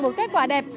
một kết quả đẹp